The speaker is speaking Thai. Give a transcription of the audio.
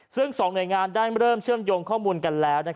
ซึ่ง๒หน่วยงานได้เริ่มเชื่อมโยงข้อมูลกันแล้ว